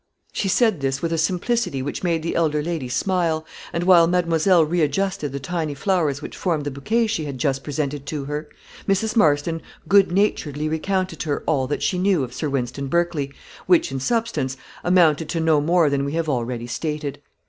She said this with a simplicity which made the elder lady smile, and while mademoiselle re adjusted the tiny flowers which formed the bouquet she had just presented to her, Mrs. Marston good naturedly recounted to her all she knew of Sir Wynston Berkley, which, in substance, amounted to no more than we have already stated.